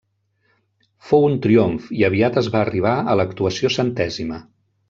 Fou un triomf i aviat es va arribar a l'actuació centèsima.